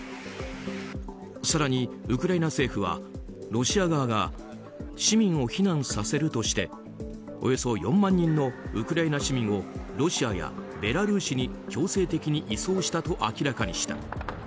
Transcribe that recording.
更に、ウクライナ政府はロシア側が市民を避難させるとしておよそ４万人のウクライナ市民をロシアやベラルーシに強制的に移送したと明らかにした。